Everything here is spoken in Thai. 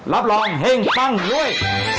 รับรองเฮ่งปังด้วย